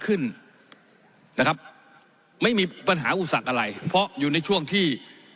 ขึ้นนะครับไม่มีปัญหาอุสักอะไรเพราะอยู่ในช่วงที่